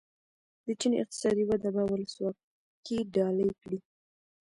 د چین اقتصادي وده به ولسواکي ډالۍ کړي.